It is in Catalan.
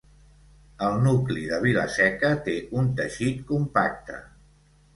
El nucli de Vila-seca té un teixit compacte.